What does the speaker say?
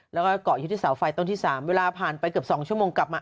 แล้วก็เกาะอยู่ที่เสาไฟต้นที่๓เวลาผ่านไปเกือบ๒ชั่วโมงกลับมา